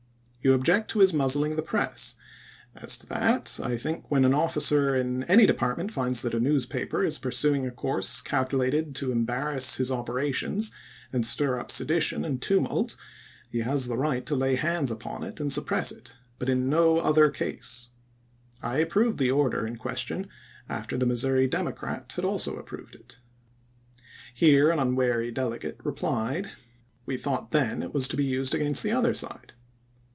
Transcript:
You object to his muzzling the press ; as to that, I think when an officer in any department finds that a newspaper is pursuing a course calculated to embarrass his operations and stir up sedition and tumult, he has the right to lay hands upon it and suppress it, but in no other case. I approved the order in question after the 'Missouri Democrat' had also approved it." Here an unwary delegate replied :" We thought then it was to be used against the other side."